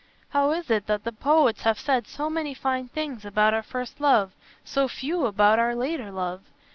How is it that the poets have said so many fine things about our first love, so few about our later love?